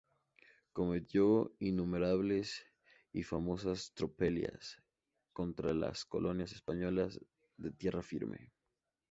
Cometió innumerables y famosas tropelías contra las colonias españolas de tierra firme.